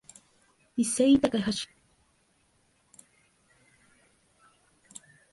Issei Takahashi